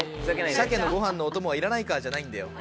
「鮭のご飯のお供はいらないか」じゃないんだよ。